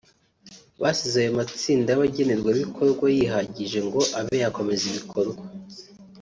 basize ayo matsinda y’abagenerwabikorwa yihagije ngo abe yakomeza ibikorwa